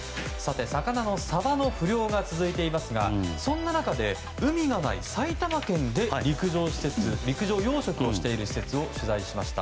魚のサバの不漁が続いていますが海のない埼玉県で陸上養殖をしている施設を取材しました。